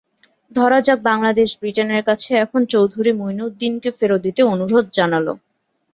ধরা যাক, বাংলাদেশ ব্রিটেনের কাছে এখন চৌধুরী মুঈনুদ্দীনকে ফেরত দিতে অনুরোধ জানাল।